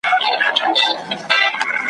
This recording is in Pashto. موږ ګټلی دي جنګونه تر ابده به جنګېږو ,